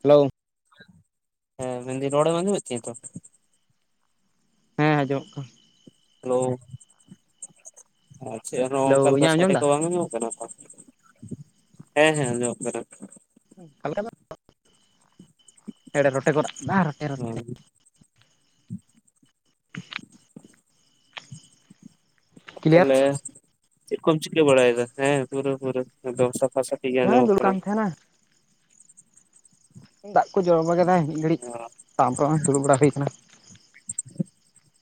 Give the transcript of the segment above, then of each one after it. Hello ᱦᱮᱸ ᱢᱮᱱᱫᱟᱹᱧ ᱨᱚᱲᱮᱢ ᱟᱡᱚᱢ ᱮᱫ ᱛᱤᱧᱟᱹ ᱛᱚ ᱟᱡᱚᱢᱚᱜ ᱠᱟᱱᱟ ᱾ ᱦᱮᱞᱳ ᱟᱪᱪᱷᱟ ᱟᱨ ᱦᱮᱞᱳ ᱚᱱᱠᱟ ᱞᱮᱠᱟ ᱤᱧᱟᱹᱜ ᱟᱸᱡᱚᱢ ᱥᱟᱰᱮ ᱮᱫᱟ ᱠᱚ ᱵᱟᱝ ᱟᱚᱜ ᱠᱟᱱᱟ ᱛᱚ? ᱦᱮᱸ ᱦᱮᱸ ᱟᱡᱚᱢᱚᱜ ᱠᱟᱱᱟ ᱠᱟᱞ ᱠᱟ ᱱᱟᱜ ᱮᱲᱮ ᱨᱚᱴᱮ ᱠᱚ ᱨᱟ ᱫᱟ ᱦᱮᱸ ᱠᱞᱤᱭᱟᱨ ᱛᱟᱦᱞᱮ ᱪᱮ ᱠᱚᱢ ᱪᱤᱠᱟᱹ ᱵᱟᱲᱟᱭᱮᱫᱟ ᱦᱮᱸ ᱯᱩᱨᱟᱹ ᱯᱩᱨᱟᱹ ᱵᱮᱥ ᱮᱠᱫᱚᱢ ᱥᱟᱯᱷᱟ ᱥᱟᱯᱷᱤ ᱾ ᱦᱮᱸ ᱫᱩᱞ ᱠᱟᱱ ᱛᱟᱦᱮᱱᱟ ᱫᱟᱜ ᱠᱚ ᱡᱚᱨᱚ ᱵᱟᱲᱟ ᱠᱮᱫᱟ ᱢᱤᱫ ᱜᱷᱟᱹᱲᱤᱡ ᱛᱟᱨᱯᱚᱨᱮ ᱫᱩᱲᱩᱵ ᱵᱟᱲᱟ ᱦᱩᱭ ᱟᱠᱟᱱᱟ ᱾ [inaudible]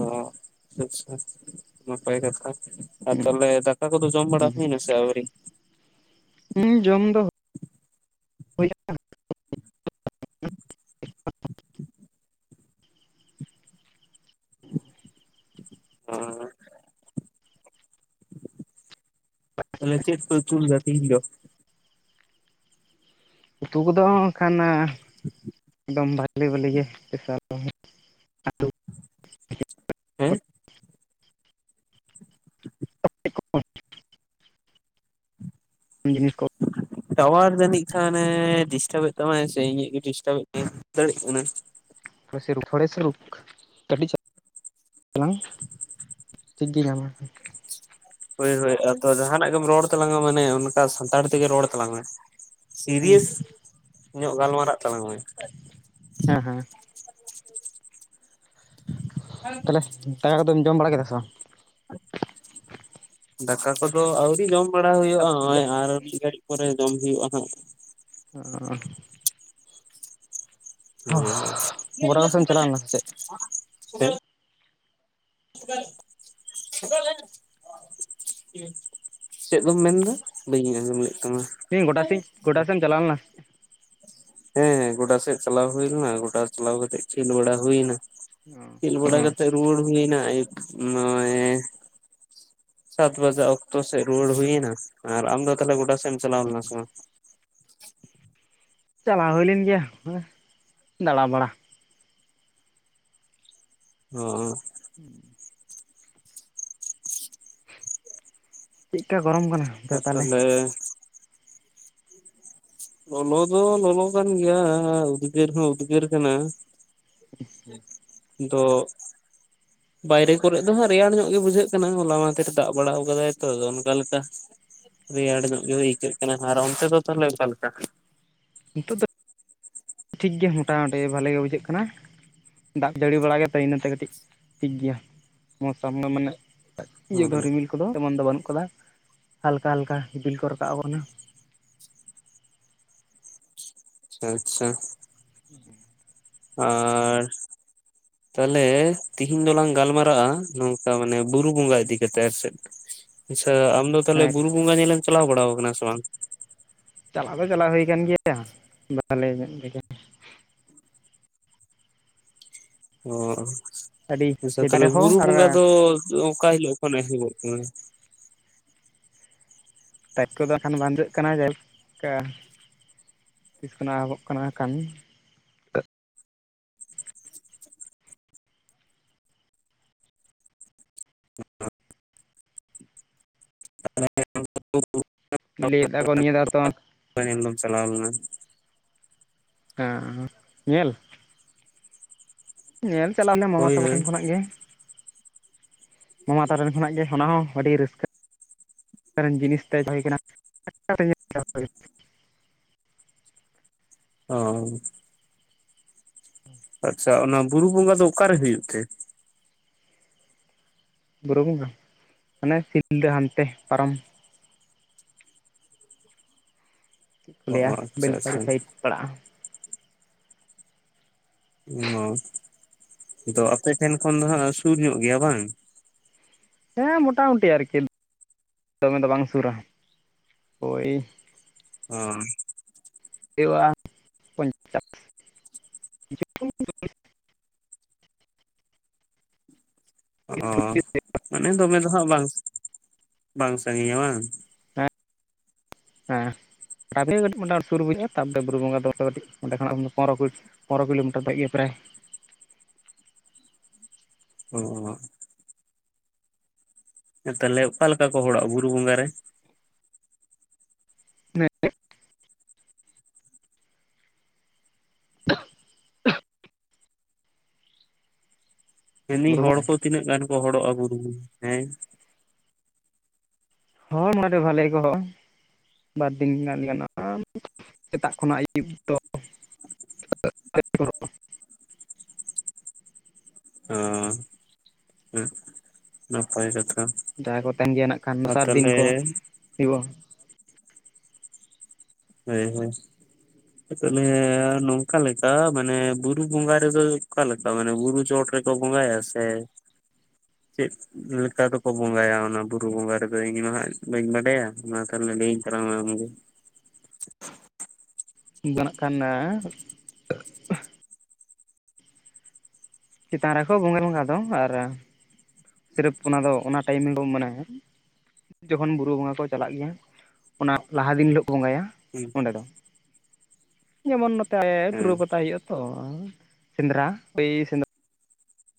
ᱚ ᱟᱪᱷᱟ ᱟᱪᱪᱷᱟ ᱛᱟᱦᱚᱞᱮ ᱱᱟᱯᱟᱭ ᱠᱟᱛᱷᱟ [unintelligible] ᱫᱟᱠᱟ ᱠᱚᱫᱚ ᱡᱚᱢ ᱵᱟᱲᱟ ᱦᱩᱭᱱᱟ ᱥᱮ ᱟᱹᱣᱨᱤ? ᱦᱩᱸ ᱡᱚᱢ ᱫᱚ ᱦᱩᱭᱩᱜ ᱠᱟᱱᱟ ᱾ [inaudible] ᱦᱮᱞᱳ ᱛᱟᱦᱚᱞᱮ ᱪᱮᱫ ᱠᱚ ᱯᱮ ᱩᱛᱩ ᱞᱮᱫᱟ ᱛᱮᱦᱮᱧ ᱫᱚ ᱩᱛᱩ ᱠᱚᱫᱚ ᱱᱚᱜ-ᱚᱭ ᱱᱚᱝᱠᱟᱱᱟ ᱮᱠᱫᱚᱢ ᱵᱷᱟᱜᱤ ᱵᱷᱟᱞᱤ ᱵᱷᱟᱞᱤ ᱜᱮ ᱱᱮᱛᱟᱨ ᱫᱚ ᱱᱟᱜ ᱟᱛᱳ [inaudible] ᱦᱮᱸ [inaudible] ᱡᱤᱱᱤᱥ ᱠᱚ ᱴᱟᱣᱟᱨ ᱡᱟᱹᱱᱤᱡ ᱠᱷᱟᱱ ᱰᱤᱥᱴᱟᱵ ᱮᱫ ᱛᱟᱢᱟᱭ ᱥᱮ ᱤᱧᱟᱹᱜ ᱜᱮ ᱰᱤᱥᱴᱟᱵ ᱮᱫ ᱛᱤᱧᱟᱹ ᱫᱟᱲᱮ ᱚᱱᱟ [unintelligible] ᱴᱷᱤᱠ ᱜᱮ ᱧᱟᱢᱟ ᱦᱳᱭ ᱦᱳᱭ ᱟᱫᱚ ᱡᱟᱦᱟᱱᱟᱜ ᱜᱮᱢ ᱨᱚᱲ ᱛᱟᱞᱟᱝᱟ ᱢᱟᱱᱮ ᱚᱱᱠᱟ ᱥᱟᱱᱛᱟᱲ ᱛᱮ ᱜᱮ ᱨᱚᱲ ᱛᱟᱞᱟᱝ ᱢᱮ ᱥᱤᱨᱤᱭᱮᱥ ᱧᱚᱜ ᱜᱟᱞᱢᱟᱨᱟᱜ ᱛᱟᱞᱟᱝ ᱢᱮ ᱾ ᱦᱮᱸ ᱦᱮᱸ ᱾ ᱛᱟᱦᱚᱞᱮ ᱫᱟᱠᱟ ᱠᱚᱫᱚᱢ ᱡᱚᱢ ᱵᱟᱲᱟ ᱠᱮᱫᱟ ᱥᱮ ᱵᱟᱝ ᱫᱟᱠᱟ ᱠᱚᱫᱚ ᱟᱹᱣᱨᱤ ᱡᱚᱢ ᱵᱟᱲᱟ ᱦᱩᱭᱩᱜᱼᱟ ᱱᱚᱜᱼᱚᱭ ᱟᱨ ᱢᱤᱫ ᱜᱷᱟᱹᱲᱤᱡ ᱯᱚᱨᱮ ᱡᱚᱢ ᱦᱩᱭᱩᱜᱼᱟ ᱱᱟᱸᱜ ᱟᱨ [unintelligible] ᱦᱳᱭ ᱚ ᱦᱳᱭ ᱜᱚᱰᱟ ᱠᱚᱥᱮᱫ ᱮᱢ ᱪᱟᱞᱟᱣ ᱞᱮᱱᱟ ᱥᱮ [unintelligible] [unintelligible] ᱪᱮᱫ ᱫᱚᱢ ᱢᱮᱱᱫᱟ ᱵᱟᱹᱧ ᱟᱸᱡᱚᱢ ᱞᱮᱫ ᱛᱟᱢᱟ ᱤᱧ ᱜᱚᱰᱟ ᱥᱮᱫ ᱜᱚᱰᱟ ᱥᱮᱫ ᱮᱢ ᱪᱟᱞᱟᱣ ᱞᱮᱱᱟ ᱦᱮᱸ ᱦᱮᱸ ᱜᱚᱰᱟ ᱥᱮᱫ ᱪᱟᱞᱟᱣ ᱦᱩᱭ ᱞᱮᱱᱟ ᱜᱚᱰᱟ ᱪᱟᱞᱟᱣ ᱠᱟᱛᱮ ᱠᱷᱮᱞ ᱵᱟᱲᱟ ᱦᱩᱭᱱᱟ᱾ ᱠᱷᱮᱞ ᱚ ᱵᱟᱲᱟ ᱟᱪᱪᱷᱟ ᱠᱟᱛᱮᱜ ᱨᱩᱣᱟᱹᱲ ᱦᱩᱭᱱᱟ ᱱᱚᱜ ᱚᱭ ᱥᱟᱛ ᱵᱟᱡᱟ ᱚᱠᱛᱚ ᱥᱮᱫ ᱨᱩᱣᱟᱹᱲ ᱦᱩᱭᱱᱟ ᱟᱨ ᱟᱢ ᱫᱚ ᱛᱟᱦᱚᱞᱮ ᱜᱚᱰᱟ ᱥᱮᱫ ᱮᱢ ᱪᱟᱞᱟᱣ ᱞᱮᱱᱟ ᱥᱮ ᱵᱟᱝ? ᱪᱟᱞᱟᱣ ᱦᱩᱭ ᱞᱮᱱ ᱜᱮᱭᱟ ᱦᱮ ᱫᱟᱬᱟ ᱵᱟᱲᱟ ᱚ [inaudible] ᱪᱮᱫᱠᱟ ᱜᱚᱨᱚᱢ ᱠᱟᱱᱟ ᱛᱚ ᱟᱨ ᱛᱟᱦᱞᱮ ᱛᱟᱦᱚᱞᱮ ᱞᱚᱞᱚ ᱫᱚ ᱞᱚᱞᱚ ᱠᱟᱱ ᱜᱮᱭᱟ ᱩᱫᱽᱜᱟᱹᱨ ᱦᱚᱸ ᱩᱫᱽᱜᱟᱹᱨ ᱠᱟᱱᱟ ᱦᱩᱜᱼᱦᱩᱸ ᱫᱚ [inaudible] ᱵᱟᱭ ᱨᱮ ᱠᱚᱨᱮ ᱫᱚ ᱦᱟᱸᱜ ᱨᱮᱭᱟᱲ ᱧᱚᱜ ᱜᱮ ᱵᱩᱡᱷᱟᱹᱜ ᱠᱟᱱᱟ ᱦᱚᱞᱦᱟ ᱢᱟᱫᱷᱮᱨ ᱫᱟᱜ ᱵᱟᱲᱟ ᱟᱠᱟᱫᱟᱭ ᱛᱚ ᱟᱫ ᱚᱱᱠᱟ ᱞᱮᱠᱟ ᱨᱮᱭᱟᱲ ᱧᱚᱜ ᱜᱮ ᱟᱹᱭᱠᱟᱹᱜ ᱠᱟᱱᱟ ᱟᱨ ᱚᱱᱛᱮ ᱫᱚ ᱛᱟᱦᱚᱞᱮ ᱚᱠᱟ ᱞᱮᱠᱟ? ᱱᱤᱛᱚᱜ ᱫᱚ ᱴᱷᱤᱠ ᱜᱮᱭ ᱢᱚᱴᱟ ᱢᱩᱴᱤ ᱵᱷᱟᱞᱮ ᱜᱮ ᱵᱩᱡᱷᱟᱹᱜ ᱠᱟᱱᱟ᱾ ᱫᱟᱜ ᱡᱟᱹᱲᱤ ᱵᱟᱲᱟ ᱠᱟᱛᱮ ᱤᱱᱟᱹᱛᱮ ᱠᱟᱹᱴᱤᱡ ᱴᱷᱤᱠ ᱜᱮᱭᱟ ᱢᱚᱥᱟᱢ ᱫᱚ ᱢᱟᱱᱮ ᱤᱭᱟᱹ ᱫᱚ ᱟᱪᱪᱷᱟ ᱨᱤᱢᱤᱞ ᱠᱚᱫᱚ ᱮᱢᱚᱱ ᱫᱚ ᱵᱟᱹᱱᱩᱜ ᱠᱟᱫᱟ ᱦᱟᱞᱠᱟ ᱦᱟᱞᱠᱟ ᱤᱯᱤᱞ ᱠᱚ ᱨᱟᱠᱟᱵ ᱟᱠᱟᱱᱟ ᱟᱪᱷᱟ [inaudible] ᱟᱨ ᱛᱟᱦᱚᱞᱮ ᱛᱤᱦᱤᱸᱧ ᱫᱚᱞᱟᱝ ᱜᱟᱞ ᱢᱟᱨᱟᱜᱼᱟ ᱱᱚᱝᱠᱟ ᱢᱟᱱᱮ ᱵᱩᱨᱩ ᱵᱚᱸᱜᱟ ᱤᱫᱤ ᱠᱟᱛᱮᱜ ᱟᱨ ᱥᱮ [inaudible] ᱟᱪᱪᱷᱟ ᱟᱢᱫᱚ ᱛᱟᱦᱚᱞᱮ ᱦᱮᱸ ᱵᱩᱨᱩ ᱵᱚᱸᱜᱟ ᱧᱮᱞᱮᱢ ᱪᱟᱞᱟᱣ ᱵᱟᱲᱟ ᱟᱠᱟᱱᱟ ᱥᱮ ᱵᱟᱝ ᱪᱟᱞᱟᱣ ᱫᱚ ᱪᱟᱞᱟᱣ ᱦᱩᱭ ᱟᱠᱟᱱ ᱜᱮᱭᱟ [unintelligible] ᱵᱟᱦᱞᱮ ᱧᱚᱜ ᱚ ᱟᱹᱰᱤ ᱟᱪᱪᱷᱟ ᱥᱮᱫᱟᱭ ᱛᱟᱦᱚᱞᱮ ᱨᱮᱦᱚᱸ ᱵᱩᱨᱩ ᱟᱨ ᱵᱚᱸᱜᱟ ᱫᱚ ᱚᱠᱟ ᱦᱤᱞᱳᱜ ᱠᱷᱚᱱ ᱮᱦᱚᱵᱚᱜ ᱠᱟᱱᱟ ᱴᱟᱭᱤᱯ ᱠᱚᱫᱚ ᱠᱷᱟᱱ ᱵᱟᱝ ᱡᱟᱹᱜ ᱠᱟᱱᱟ ᱡᱟᱭ ᱦᱳᱠ ᱛᱤᱥ ᱠᱷᱚᱱᱟᱜ ᱮᱦᱚᱵᱚᱜ ᱠᱟᱱᱟ ᱠᱷᱟᱱ ᱞᱟᱹᱭᱮᱫᱟ ᱠᱚ ᱱᱤᱭᱟᱹᱫᱟ ᱛᱚᱼᱼ ᱫᱚᱚᱢ [inaudible] ᱪᱟᱞᱟᱣ ᱞᱮᱱᱟ ᱦᱮᱸ ᱧᱮᱞ ᱧᱮᱞ ᱪᱟᱞᱟᱣ ᱞᱮᱱᱟ ᱢᱟᱢᱟ ᱦᱳᱭ ᱛᱟᱠᱚ ᱦᱳᱭ ᱴᱷᱮᱱ ᱠᱷᱚᱱᱟᱜ ᱜᱮ ᱢᱟᱢᱟ ᱛᱟᱨᱮᱱ ᱠᱷᱚᱱᱟᱜ ᱜᱮ ᱚᱱᱟ ᱦᱚᱸ ᱟᱹᱰᱤ ᱨᱟᱹᱥᱠᱟᱹ ᱠᱟᱨᱚᱱ ᱡᱤᱱᱤᱥ ᱛᱟᱭ ᱛᱟᱦᱮᱸ ᱠᱟᱱᱟ [inaudible] ᱚ ᱟᱪᱪᱷᱟ ᱚᱱᱟ ᱵᱩᱨᱩ ᱵᱚᱸᱜᱟ ᱫᱚ ᱚᱠᱟᱨᱮ ᱦᱩᱭᱩᱜ ᱛᱮ ᱵᱩᱨᱩ ᱵᱚᱸᱜᱟ ᱦᱟᱱᱮ ᱥᱤᱞᱫᱟᱹ ᱦᱟᱱᱛᱮ ᱯᱟᱨᱚᱢ ᱪᱮᱫ ᱠᱚ ᱚ ᱞᱟᱹᱭᱟ ᱟᱪᱪᱷᱟ ᱟᱪᱪᱷᱟ ᱵᱮᱞᱯᱟᱦᱟᱲᱤ ᱥᱟᱭᱤᱰ ᱯᱟᱲᱟᱜᱼᱟ ᱚ ᱟᱫᱚ ᱟᱯᱮ ᱴᱷᱮᱱ ᱠᱷᱚᱱ ᱫᱚ ᱦᱟᱜ ᱥᱩᱨ ᱧᱚᱜ ᱜᱮᱭᱟ ᱵᱟᱝ ᱦᱮᱸ ᱢᱚᱴᱟ ᱢᱩᱴᱤ ᱟᱨᱠᱤ ᱫᱚᱢᱮ ᱫᱚ ᱵᱟᱝ ᱥᱩᱨᱟ ᱦᱳᱭ ᱦᱚ ᱦᱮᱣᱟ ᱯᱚᱧᱪᱟᱥ ᱪᱷᱩ ᱚ [inaudible] ᱢᱟᱱᱮ ᱫᱚᱢᱮ ᱫᱚ ᱦᱟᱜ ᱵᱟᱝ ᱵᱟᱝ ᱥᱟᱺᱜᱤᱧᱟ ᱵᱟᱝ ᱦᱮᱸ ᱦᱮᱸ ᱛᱟᱨᱯᱚᱨᱮ ᱠᱟᱹᱴᱤᱡ ᱢᱳᱴᱟᱢᱩᱴᱤ ᱥᱩᱨ ᱵᱩᱡᱷᱟᱹᱜ-ᱟ ᱛᱟᱯᱚᱨᱮ ᱵᱩᱨᱩ ᱵᱚᱸᱜᱟ ᱫᱚ ᱚᱱᱛᱮ ᱠᱟᱹᱴᱤᱡ ᱚᱸᱰᱮ ᱠᱷᱚᱱᱟᱜ ᱯᱚᱱᱨᱚ ᱠᱩᱲᱤ ᱯᱚᱱᱨᱚ ᱠᱤᱞᱳᱢᱤᱴᱟᱨ ᱫᱚ ᱦᱳᱭᱳ ᱜᱮᱭᱟ ᱯᱨᱟᱭ ᱚᱸᱻᱻ ᱛᱟᱦᱚᱞᱮ ᱚᱠᱟ ᱞᱮᱠᱟ ᱠᱚ ᱦᱚᱲᱚᱜᱼᱟ ᱵᱩᱨᱩ ᱵᱚᱸᱜᱟ ᱨᱮ ᱱᱮᱜ-ᱮ [unintelligible] ᱢᱮᱱᱫᱟᱹᱧ ᱵᱩᱨᱩ ᱦᱚᱲ ᱵᱚᱸᱜᱟ ᱠᱚ ᱛᱤᱱᱟᱹᱜ ᱜᱟᱱ ᱠᱚ ᱦᱚᱲᱚᱜ-ᱟ? ᱦᱮᱸ, ᱦᱚᱲ ᱢᱟ ᱟᱰᱤ ᱵᱷᱟᱞᱮ ᱠᱚ ᱦᱚᱲᱚᱜ-ᱟ᱾ ᱵᱟᱨᱫᱤᱱ [unintelligible] ᱥᱮᱛᱟᱜ ᱠᱷᱚᱱᱟᱜ ᱟᱹᱭᱩᱵ ᱫᱷᱟᱹᱵᱤᱡ ᱫᱚ ᱦᱟᱸᱻ ᱦᱟ ᱱᱟᱯᱟᱭ ᱠᱟᱛᱷᱟ ᱡᱟᱦᱟᱸᱭ ᱠᱚ ᱛᱟᱦᱮᱱ ᱜᱮᱭᱟ ᱱᱟᱜ ᱠᱷᱟᱱ ᱟᱨ ᱫᱚᱥᱟᱨ ᱫᱤᱱ ᱛᱟᱦᱚᱞᱮ ᱠᱚ ᱦᱩᱭᱩᱜᱼᱟ ᱞᱟᱹᱭ ᱟᱹᱧ [unintelligible] ᱛᱟᱦᱚᱞᱮ ᱱᱚᱝᱠᱟ ᱞᱮᱠᱟ ᱢᱟᱱᱮ ᱵᱩᱨᱩ ᱵᱚᱸᱜᱟ ᱨᱮᱫᱚ ᱚᱠᱟᱞᱮᱠᱟ ᱢᱟᱱᱮ ᱵᱩᱨᱩ ᱪᱚᱴ ᱨᱮ ᱵᱚᱸᱜᱟᱭᱟ ᱥᱮ [inaudible] ᱪᱮᱫ ᱞᱮᱠᱟ ᱫᱚᱠᱚ ᱵᱚᱸᱜᱟᱭᱟ ᱚᱱᱟ ᱵᱩᱨᱩ ᱵᱚᱸᱜᱟ ᱨᱮᱫᱚ ᱤᱧᱢᱟ ᱦᱟᱸᱜ ᱵᱟᱹᱧ ᱵᱟᱰᱟᱭᱟ ᱢᱟ ᱛᱟᱦᱞᱮ ᱞᱟᱹᱭᱟᱹᱧ ᱛᱟᱞᱟᱝ ᱢᱮ ᱟᱢᱜᱮ [unintelligible] ᱵᱮᱱᱟᱜ ᱠᱟᱱᱟᱭ ᱮᱸᱻ ᱪᱮᱛᱟᱱ ᱨᱮᱠᱚ ᱵᱚᱸᱜᱟ ᱵᱚᱸᱜᱟ ᱫᱚ ᱟᱨ ᱥᱤᱨᱯ ᱚᱱᱟᱫᱚ ᱚᱱᱟ ᱴᱟᱭᱤᱢ ᱵᱚ ᱢᱟᱱᱟᱮ ᱡᱚᱠᱷᱚᱱ ᱵᱩᱨᱩ ᱵᱚᱸᱜᱟ ᱠᱚ ᱪᱟᱞᱟᱜ ᱜᱮᱭᱟ ᱚᱱᱟ ᱞᱟᱦᱟ ᱫᱤᱱ ᱦᱤᱞᱚᱹᱜ ᱠᱚ ᱵᱚᱸᱜᱟᱭᱟ ᱦᱮᱸ ᱚᱸᱰᱮ ᱫᱚ ᱡᱮᱢᱚᱱ ᱱᱚᱛᱮ ᱦᱮᱸ ᱴᱩᱩᱨᱟᱹ ᱯᱟᱛᱟ ᱦᱩᱭᱩᱜᱼᱟ ᱛᱚ ᱥᱮᱸᱫᱽᱨᱟ ᱚᱭ ᱥᱮᱸᱫᱽᱨᱟ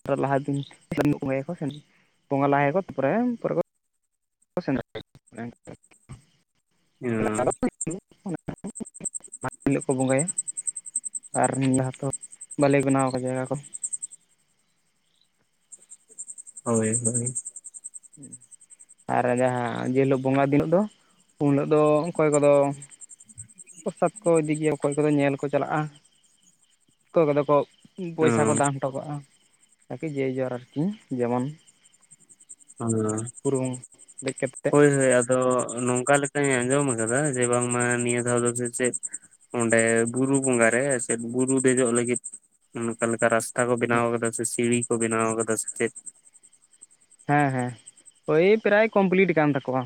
ᱛᱟᱨ ᱞᱟᱦᱟ ᱫᱤᱱ ᱫᱚᱥᱟᱨ ᱵᱚᱸᱜᱟᱭᱟᱠᱚ ᱥᱮ ᱵᱚᱸᱜᱟ ᱞᱟᱦᱟᱭᱟᱠᱚ ᱛᱟᱨᱯᱚᱨᱮ ᱯᱚᱨᱮ [unintelligible] ᱢᱟᱲᱟᱝ ᱦᱤᱞᱳᱜ ᱠᱚ ᱵᱚᱸᱜᱟᱭᱟ [unintelligible] ᱵᱟᱞᱮ ᱵᱮᱱᱟᱣ ᱠᱟᱜᱟ ᱡᱟᱭᱜᱟ ᱠᱚ᱾ ᱦᱳᱭ-ᱦᱳᱭ ᱟᱨ ᱡᱟᱦᱟᱸ ᱡᱮ ᱦᱤᱞᱳᱜ ᱵᱚᱸᱜᱟ ᱫᱤᱱᱳᱜ ᱫᱚ, ᱩᱱ ᱦᱤᱞᱳᱜ ᱫᱚ ᱚᱠᱚᱭ ᱠᱚᱫᱚᱼᱼ ᱯᱨᱚᱥᱟᱫ ᱠᱚ ᱤᱫᱤ ᱜᱮᱭᱟ, ᱚᱠᱚᱭ ᱠᱚᱫᱚ ᱧᱮᱞ ᱠᱚ ᱪᱟᱞᱟᱜ-ᱟ, ᱚᱠᱚᱭ ᱠᱚᱫᱚ ᱠᱚᱼᱼ ᱯᱚᱭᱥᱟ ᱠᱚ ᱚᱸ ᱫᱟᱱ ᱦᱚᱴᱚ ᱠᱟᱜ-ᱟ, ᱟᱨᱠᱤ ᱡᱮ ᱡᱟᱨ ᱟᱨᱠᱤ ᱡᱮᱢᱚᱱ, [inaudible] ᱩᱨᱩᱢ ᱵᱮᱠᱮᱴ ᱨᱮ, ᱦᱳᱭ-ᱦᱳᱭ ᱟᱫᱚ ᱱᱚᱝᱠᱟ ᱞᱮᱠᱟᱹᱧ ᱟᱸᱡᱚᱢ ᱟᱠᱟᱫᱟ ᱡᱮ ᱵᱟᱝᱢᱟ ᱱᱤᱭᱟᱹ ᱫᱷᱟᱣ ᱫᱚ ᱥᱮᱪᱮᱫᱼᱼ ᱚᱸᱰᱮ ᱵᱩᱨᱩ ᱵᱚᱸᱜᱟ ᱨᱮ, ᱥᱮ ᱵᱩᱨᱩ ᱫᱮᱡᱚᱜ ᱞᱟᱹᱜᱤᱫ ᱚᱠᱟ ᱞᱮᱠᱟ ᱨᱟᱥᱼᱼ ᱠᱟ ᱠᱚ ᱵᱮᱱᱟᱣ ᱠᱟᱫᱟ ᱥᱮ ᱥᱤᱸᱲᱤ ᱠᱚ ᱵᱮᱱᱟᱣ ᱠᱟᱫᱟ ᱥᱮ ᱪᱮᱫ? ᱦᱮᱸ ᱦᱮᱸ ᱳᱭ ᱯᱨᱟᱭ ᱠᱚᱢᱯᱞᱤᱴ ᱠᱟᱱ ᱛᱟᱠᱚᱣᱟ᱾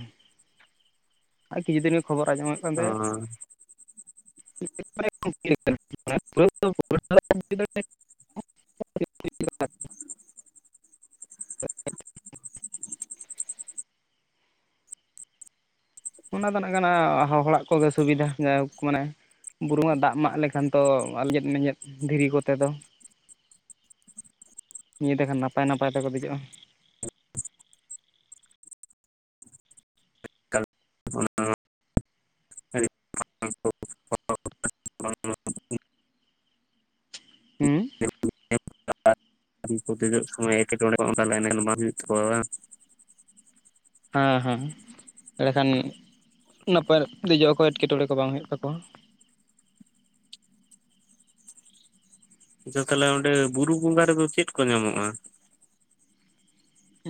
ᱟᱨ ᱠᱤᱪᱷᱩ ᱫᱤᱱ ᱜᱮ ᱠᱷᱚᱵᱚᱨ ᱟᱸᱡᱚᱢᱚᱜ ᱠᱟᱱ ᱛᱟᱦᱮᱸᱜᱼᱼ [unintelligible] [unintelligible] ᱚᱱᱟ ᱫᱚ ᱱᱟᱜ ᱠᱟᱱᱟ ᱦᱚᱲᱟᱜ ᱠᱚᱜᱮ ᱥᱩᱵᱤᱫᱷᱟ ᱡᱟᱭᱦᱳᱠ ᱢᱟᱱᱮᱼᱼ ᱵᱩᱨᱩ ᱢᱟ ᱫᱟᱜ ᱢᱟᱜ ᱞᱮᱠᱷᱟᱱ ᱛᱚ ᱞᱮᱸᱡᱮᱫ ᱢᱮᱸᱡᱮᱫ ᱫᱷᱤᱨᱤ ᱠᱚᱛᱮ ᱫᱚᱼᱼ ᱱᱤᱭᱟᱹ ᱛᱮᱠᱷᱟᱱ ᱱᱟᱯᱟᱭ-ᱱᱟᱯᱟᱭ ᱛᱮᱠᱚ ᱫᱮᱡᱚᱜ-ᱟ᱾ ᱦᱩᱸ [inaudible] ᱫᱮᱡᱚᱜ ᱥᱚᱢᱚᱭ ᱮᱴᱠᱮᱴᱚᱸᱬᱮ ᱦᱚᱸ ᱛᱟᱸᱦᱚᱞᱮ ᱵᱟᱝ ᱦᱩᱭᱩᱜ ᱛᱟᱠᱚᱣᱟ ᱵᱟᱝ? ᱦᱮᱸ ᱦᱮᱸ ᱮᱸᱰᱮᱠᱷᱟᱱ ᱱᱟᱯᱟᱭ ᱫᱮᱡᱚᱜ ᱟᱠᱚ ᱮᱴᱠᱮᱴᱚᱸᱬᱮ ᱠᱚ ᱵᱟᱝ ᱦᱩᱭᱩᱜ ᱛᱟᱠᱚᱣᱟ᱾ ᱟᱪᱪᱷᱟ ᱛᱟᱦᱚᱞᱮ ᱚᱸᱰᱮ ᱵᱩᱨᱩ ᱵᱚᱸᱜᱟ ᱨᱮᱫᱚ ᱪᱮᱫ ᱠᱚ ᱧᱟᱢᱚᱜ-ᱟ?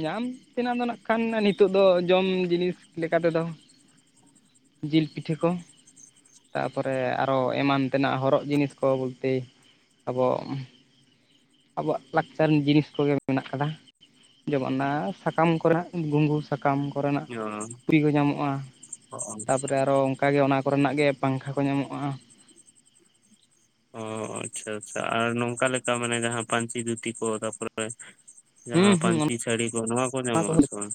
ᱧᱟᱢ ᱛᱮᱱᱟᱜ ᱫᱚ ᱱᱟᱜ ᱠᱷᱟᱱ ᱱᱤᱛᱚᱜ ᱫᱚ ᱡᱚᱢ ᱡᱤᱱᱤᱥ ᱞᱮᱠᱟᱛᱮᱫᱚᱼᱼ ᱡᱤᱞ ᱯᱤᱴᱷᱟᱹ ᱠᱚᱼᱼ ᱛᱟᱯᱚᱨᱮ ᱟᱨᱚ ᱮᱢᱟᱱ ᱛᱮᱱᱟᱜ ᱦᱚᱨᱚᱜ ᱡᱤᱱᱤᱥ ᱠᱚ ᱵᱚᱞᱛᱤ ᱟᱵᱚ ᱟᱵᱚᱣᱟᱜ ᱞᱟᱠᱪᱟᱨ ᱡᱤᱱᱤᱥ ᱠᱚᱜᱮ ᱢᱮᱱᱟᱜ ᱟᱠᱟᱫᱟ ᱡᱮᱢᱚᱱ ᱚᱱᱟ ᱥᱟᱠᱟᱢ ᱠᱚᱨᱮᱱᱟᱜ ᱜᱩᱝᱜᱩ ᱥᱟᱠᱟᱢ ᱠᱚᱨᱮᱱᱟᱜ ᱠᱩᱲᱤ ᱦᱚᱸ ᱧᱟᱢᱚᱜᱼᱟ ᱚ ᱛᱟᱯᱚᱨᱮ ᱟᱨᱚ ᱚᱱᱠᱟᱜᱮ ᱚᱱᱟ ᱠᱚᱨᱮᱱᱟᱜ ᱜᱮ ᱯᱟᱝᱠᱷᱟ ᱠᱚ ᱧᱟᱢᱚᱜᱼᱟ ᱚ ᱟᱪᱪᱷᱟ ᱟᱪᱪᱷᱟ ᱟᱨ ᱱᱚᱝᱠᱟ ᱞᱮᱠᱟ ᱢᱟᱱᱮ ᱡᱟᱦᱟᱸ ᱯᱟᱧᱪᱤ ᱫᱷᱩᱛᱤ ᱠᱚ ᱛᱟᱨᱯᱚᱨᱮ ᱦᱩᱸ ᱡᱟᱦᱟᱸ ᱦᱩᱸ ᱯᱟᱹᱧᱪᱤ ᱥᱟᱹᱲᱤ ᱠᱚ ᱱᱚᱣᱟ ᱠᱚ ᱚᱱᱟ ᱧᱟᱢᱚᱜ ᱠᱚᱦᱚᱸ ᱟᱥᱮ ᱵᱟᱝ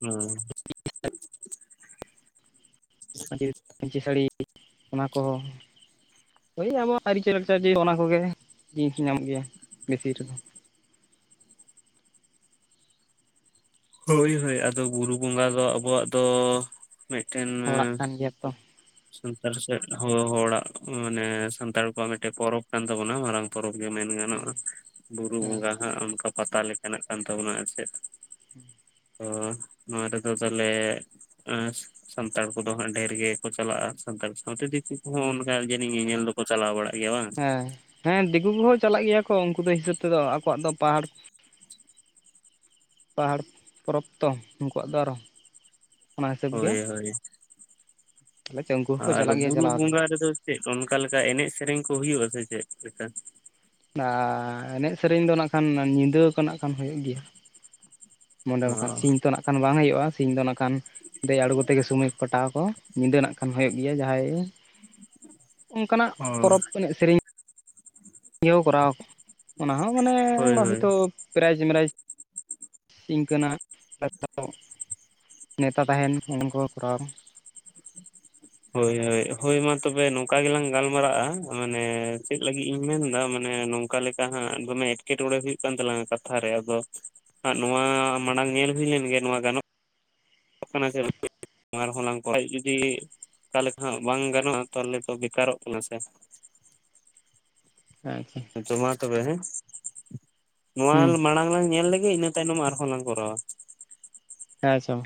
ᱦᱩᱸ ᱯᱟᱹ ᱯᱟᱹᱧᱪᱤ ᱥᱟᱹᱲᱤ ᱚᱱᱟ ᱠᱚᱦᱚᱸ ᱳᱭ ᱟᱵᱚᱣᱟᱜ ᱟᱹᱪᱟᱹᱞᱟᱠᱪᱟᱨ ᱡᱮ ᱚᱱᱟ ᱠᱚᱜᱮ ᱡᱤᱱᱤᱥ ᱧᱟᱢᱚᱜ ᱜᱮᱭᱟ ᱵᱮᱥᱤ ᱨᱮᱫᱚ ᱦᱳᱭ ᱦᱳᱭ ᱟᱫᱚ ᱵᱩᱨᱩ ᱵᱚᱸᱜᱟ ᱫᱚ ᱟᱵᱚᱣᱟᱜ ᱫᱚ ᱢᱤᱫᱴᱮᱱ ᱦᱚᱲᱟᱜ ᱠᱟᱱ ᱜᱮᱭᱟ ᱛᱚ ᱥᱟᱱᱛᱟᱲ ᱥᱮᱫ ᱦᱚᱲᱟᱜ ᱢᱟᱱᱮ ᱥᱟᱱᱛᱟᱲ ᱠᱚᱣᱟᱜ ᱢᱤᱫᱴᱮᱡ ᱯᱚᱨᱚᱵ ᱠᱟᱱ ᱛᱟᱵᱚᱱᱟ ᱢᱟᱨᱟᱝ ᱯᱚᱨᱚᱵᱽ ᱜᱮ ᱢᱮᱱ ᱜᱟᱱᱚᱜᱼᱟ ᱦᱮᱸ ᱵᱩᱨᱩ ᱦᱮᱸ ᱵᱚᱸᱜᱟ ᱦ ᱚᱱᱠᱟ ᱯᱟᱛᱟ ᱞᱮᱠᱟᱱᱟᱜ ᱠᱟᱱ ᱛᱟᱵᱚᱱᱟ ᱟᱨ ᱪᱮᱫ ᱛᱚ ᱱᱚᱣᱟ ᱨᱮᱫᱚ ᱛᱟᱦᱞᱮ ᱥᱟᱱᱛᱟᱲ ᱠᱚᱫᱚ ᱦᱟᱸᱜ ᱰᱷᱮᱨ ᱜᱮ ᱠᱚ ᱪᱟᱞᱟᱜᱼᱟ ᱥᱟᱱᱛᱟᱲ ᱥᱟᱶᱛᱮ ᱫᱤᱠᱩ ᱠᱚᱦᱚᱸ ᱚᱱᱠᱟ ᱦᱮᱸ ᱡᱟᱹᱱᱤᱡ ᱧᱮᱧᱮᱞ ᱫᱚᱠᱚ ᱪᱟᱞᱟᱣ ᱵᱟᱲᱟᱜ ᱜᱮᱭᱟ ᱵᱟᱝ [inaudible] ᱦᱮᱸ ᱫᱤᱠᱩ ᱠᱚᱦᱚᱸ ᱪᱟᱞᱟᱜ ᱜᱮᱭᱟ ᱠᱚ ᱩᱱᱠᱩ ᱫᱚ ᱦᱤᱥᱟᱹᱵ ᱛᱮᱫᱚ ᱟᱠᱚᱣᱟᱜ ᱫᱚ ᱯᱟᱦᱟᱲ ᱾ ᱯᱟᱦᱟᱲ ᱯᱚᱨᱚᱵᱽ ᱛᱚ ᱱᱠᱩᱣᱟᱜ ᱫᱚ ᱟᱨᱚ ᱾ ᱦᱳᱭ ᱦᱳᱭ ᱛᱟᱦᱚᱞᱮ ᱩᱱᱠᱩ ᱦᱚᱸᱠᱚ ᱟᱨ ᱪᱟᱞᱟᱜ ᱜᱮᱭᱟ ᱵᱩᱨᱩ ᱪᱟᱞᱟᱣ ᱫᱚ ᱵᱚᱸᱜᱟ ᱨᱮᱫᱚ ᱪᱮᱫ ᱚᱱᱠᱟ ᱞᱮᱠᱟ ᱮᱱᱮᱡ ᱥᱮᱨᱮᱧ ᱠᱚ ᱦᱩᱭᱩᱜᱼᱟ ᱥᱮ ᱪᱮᱫ ᱞᱮᱠᱟ? ᱮᱱᱮᱡ ᱥᱮᱨᱮᱧ ᱫᱚ ᱱᱟᱜ ᱠᱷᱟᱱ ᱧᱤᱫᱟᱹ ᱠᱚ ᱱᱟᱜ ᱠᱷᱟᱱ ᱦᱩᱭᱩᱜ ᱜᱮᱭᱟ ᱢᱸᱰᱮ ᱵᱟᱝᱠᱷᱟᱱ ᱥᱤᱧ ᱛᱚ ᱱᱟᱜ ᱠᱷᱟᱱ ᱵᱟᱝ ᱦᱩᱭᱩᱜᱼᱟ ᱥᱤᱧ ᱫᱚ ᱱᱟᱜ ᱠᱷᱟᱱ ᱫᱮᱡ ᱟᱬᱜᱚ ᱠᱟᱛᱮᱜᱮ ᱥᱚᱢᱚᱭ ᱯ ᱠᱟᱴᱟᱣ ᱠᱚ ᱧᱤᱫᱟᱹᱱᱟᱜ ᱠᱷᱟᱱ ᱦᱩᱭᱩᱜ ᱜᱮᱭᱟ ᱡᱟᱦᱟᱸᱭ ᱚᱱᱠᱟᱱᱟᱜ ᱚ ᱯᱚᱨᱚᱵᱽ ᱮᱱᱮᱡ ᱥᱮᱨᱮᱧ ᱤᱭᱟᱹᱣ ᱠᱚᱨᱟᱣ ᱚᱱᱟ ᱦᱚᱸ ᱢᱟᱱᱮ ᱦᱳᱭ ᱵᱷᱟᱜᱮ ᱦᱳᱭ ᱛᱚ ᱯᱨᱟᱭᱤᱡᱽ ᱢᱮᱟᱭᱤᱡᱽ ᱤᱱᱠᱟᱹᱱᱟᱜ ᱱᱮᱛᱟ ᱛᱟᱦᱮᱱ ᱩᱱᱠᱩ ᱠᱚᱨᱟᱣ ᱦᱳᱭ ᱦᱳᱭ ᱦᱳᱭ ᱢᱟ ᱛᱚᱵᱮ ᱱᱚᱝᱠᱟ ᱜᱮᱞᱟᱝ ᱜᱟᱞᱢᱟᱨᱟᱜᱼᱟ ᱢᱟᱱᱮ ᱪᱮᱫ ᱞᱟᱹᱜᱤᱫ ᱤᱧ ᱢᱮᱱᱫᱟ ᱢᱟᱱᱮ ᱾ ᱚᱠᱟ ᱞᱮᱠᱟ ᱦᱟᱸᱜ ᱫᱚᱢᱮ ᱮᱴᱠᱮᱴᱚᱬᱮ ᱦᱩᱭᱩᱜ ᱠᱟᱱ ᱛᱟᱞᱟᱝ ᱠᱟᱛᱷᱟ ᱨᱮ ᱟᱫᱚ ᱾ ᱱᱚᱣᱟ ᱢᱟᱲᱟᱝ ᱧᱮᱞᱦᱩᱭ ᱞᱮᱱ ᱜᱮ ᱱᱚᱣᱟ ᱜᱟᱱ ᱚ ᱠᱟᱱᱟ ᱥᱮ [unintelligible] ᱟᱨᱦᱚᱸᱞᱟᱝ ᱠᱚᱣᱟ ᱟᱡ ᱡᱩᱫᱤ ᱚᱠᱟ ᱞᱮᱠᱟ ᱦᱟᱸᱜ ᱵᱟᱝ ᱜᱟᱱᱚᱜᱼᱟ ᱛᱟᱦᱚᱞᱮ ᱛᱚ ᱵᱮᱠᱟᱨᱚᱜ ᱠᱟᱱᱟ ᱥᱮ ᱟᱪᱪᱟ ᱛᱚ ᱢᱟ ᱛᱚᱵᱮ ᱦᱮᱸ ᱱᱚᱣᱟ ᱦᱩᱸ ᱢᱟᱲᱟᱝ ᱞᱟᱝ ᱧᱮᱞ ᱞᱮᱜᱮ ᱤᱱᱟᱹ ᱛᱟᱭᱱᱚᱢ ᱟᱨᱦᱚᱸ ᱞᱟᱝ ᱠᱚᱨᱟᱣᱟ ᱟᱪᱪᱷᱟ ᱢᱟ